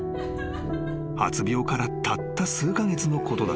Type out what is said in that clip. ［発病からたった数カ月のことだった］